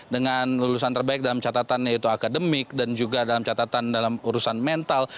dengan lulusan terbaik dalam catatan yaitu akademik dan juga dalam catatan dalam urusan mental